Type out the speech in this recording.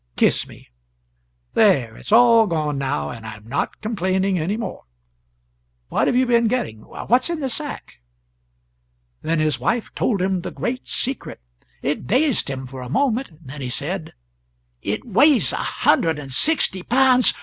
Kiss me there, it's all gone now, and I am not complaining any more. What have you been getting? What's in the sack?" Then his wife told him the great secret. It dazed him for a moment; then he said: "It weighs a hundred and sixty pounds?